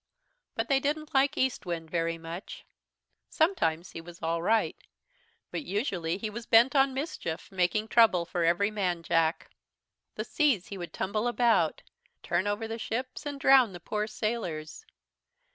"But they didn't like Eastwind very much. Sometimes he was all right, but usually he was bent on mischief, making trouble for every man Jack. The seas he would tumble about, turn over the ships, and drown the poor sailors.